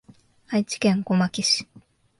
愛知県小牧市